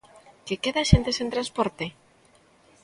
¿Que quede a xente sen transporte?